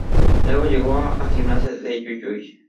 Luego llegó a Gimnasia de Jujuy.